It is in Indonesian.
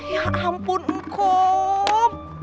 ya ampun kom